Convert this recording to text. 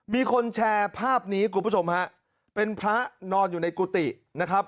มีคนแชร์ภาพนี้คุณผู้ชมฮะเป็นพระนอนอยู่ในกุฏินะครับ